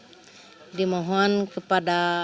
apa yang ingin ini ibu ucapkan kepada mereka